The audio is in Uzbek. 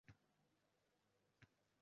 Xalqdan yulay, deydi u.